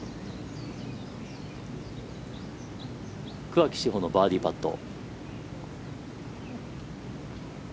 桑木志帆のバーディーパット。